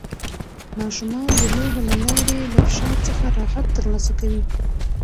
ماشومان د لوبو له لارې له فشار څخه راحت ترلاسه کوي.